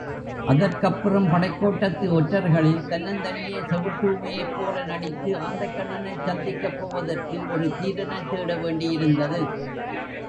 அதற்கப்புறம் படைக் கோட்டத்து ஒற்றர்களில் தன்னந்தனியே செவிட்டூமைப்போல நடித்து ஆந்தைக்கண்ணனைச் சந்திக்கப் போவதற்கு ஒரு தீரனைத் தேட வேண்டியிருந்தது.